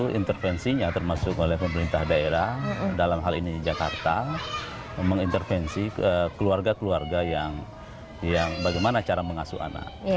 itu intervensinya termasuk oleh pemerintah daerah dalam hal ini jakarta mengintervensi keluarga keluarga yang bagaimana cara mengasuh anak